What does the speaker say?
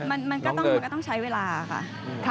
มันก็ต้องใช้เวลาค่ะ